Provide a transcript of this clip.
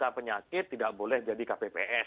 ada penyakit tidak boleh jadi kpps